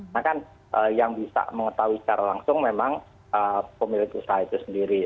nah kan yang bisa mengetahui secara langsung memang pemilik usaha itu sendiri